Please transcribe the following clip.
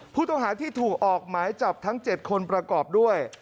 ผู้ต้องหาที่ถูกออกหมายจับทั้ง๗คนประกอบด้วย